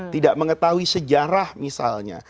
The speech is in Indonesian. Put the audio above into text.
tidak mengetahui sejarah misalnya